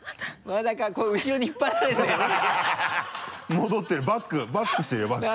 戻ってるバックバックしてるよバック。